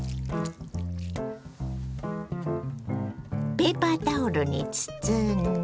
ペーパータオルに包んで。